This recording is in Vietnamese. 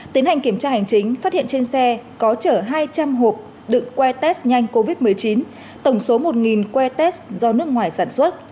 tiến hành kiểm tra hành chính phát hiện trên xe có chở hai trăm linh hộp đựng que test nhanh covid một mươi chín tổng số một que test do nước ngoài sản xuất